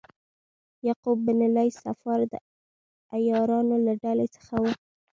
یعقوب بن لیث صفار د عیارانو له ډلې څخه و.